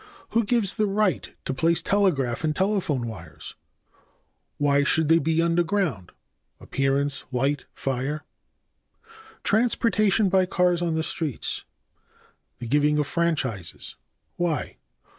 j. Who gives the right to place telegraph and telephone wires? k. Why should they be underground? (a) Appearance, (b) Light, (c) Fire. 9. Transportation by cars on the streets. a. The giving of franchises, why?